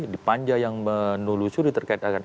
di panja yang menulusuri terkait